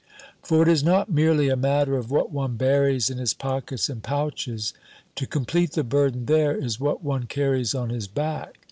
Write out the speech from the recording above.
For it is not merely a matter of what one buries in his pockets and pouches. To complete the burden there is what one carries on his back.